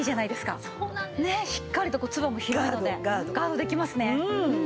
しっかりとツバも広いのでガードできますね。